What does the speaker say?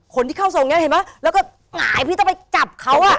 คนที่เข้าทรงเนี้ยเห็นไหมแล้วก็หงายพี่ต้องไปจับเขาอ่ะ